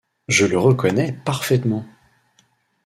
Je le reconnais parfaitement.